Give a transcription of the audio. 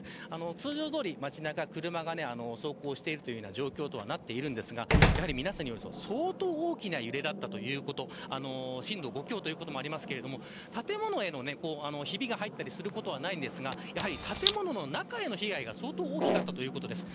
通常どおり街中、車が走行している状況とはなっていますがやはり皆さんによると相当大きな揺れだったということ震度５強ということもありますが建物へのひびが入ったりすることはありませんがやはり建物の中への被害が相当大きかったようです。